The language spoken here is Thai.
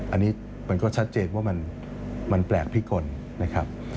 อันนี้มันก็ชัดเจนว่ามันแปลกพิกลนะครับ